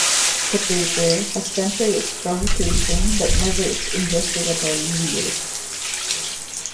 The paper ...has tempered its provocation but never its investigatory zeal.